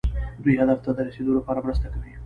دوی هدف ته د رسیدو لپاره مرسته کوي.